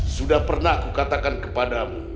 sudah pernah aku katakan kepadamu